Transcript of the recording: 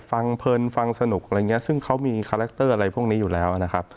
เพลินฟังสนุกอะไรอย่างนี้ซึ่งเขามีคาแรคเตอร์อะไรพวกนี้อยู่แล้วนะครับ